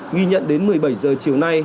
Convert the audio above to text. nghi nhận đến một mươi bảy h chiều nay